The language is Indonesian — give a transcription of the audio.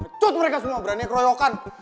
kecut mereka semua berani ngeroyokkan